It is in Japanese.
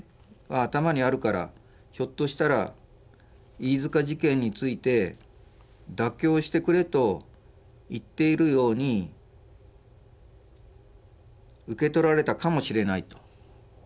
「頭にあるからひょっとしたら飯塚事件について妥協してくれと言っているように受け取られたかもしれない」と。